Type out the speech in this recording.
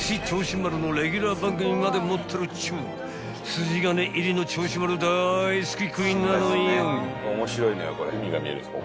［筋金入りの銚子丸大好きクイーンなのよ］